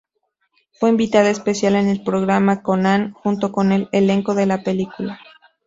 Fue invitada especial en el programa "Conan" junto con el elenco de la película.